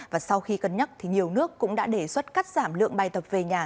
và sau khi cân nhắc thì nhiều nước cũng đã đề xuất cắt giảm lượng bài tập về nhà